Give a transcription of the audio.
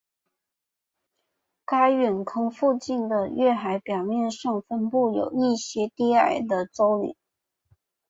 该陨坑附近的月海表面上分布有一些低矮的皱岭。